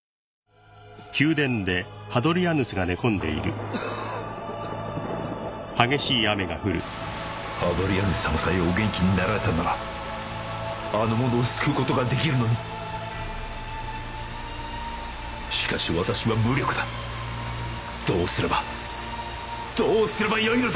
新「アタックＺＥＲＯ」ハドリアヌス様さえお元気になられたならあの者を救うことができるのにしかし私は無力だどうすればどうすればよいのだ！